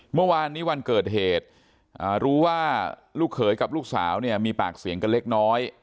เมื่อวานนี้วันเกิดเหตุรู้ว่าลูกเขยกับลูกสาวเนี่ยมีปากเสียงกันเล็กน้อย